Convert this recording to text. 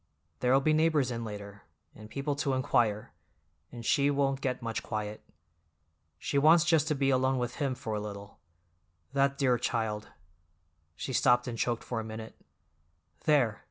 There'll be neighbors in later, and people to inquire, and she won't get much quiet. She wants just to be alone with him for a little. That dear child—" she stopped and choked for a minute. "There!